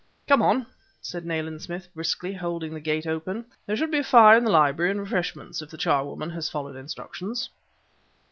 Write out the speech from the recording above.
"Come on!" said Nayland Smith briskly, holding the gate open; "there should be a fire in the library and refreshments, if the charwoman has followed instructions."